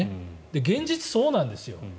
現実、そうなんです。